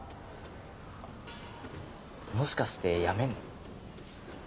もしかして辞めんの？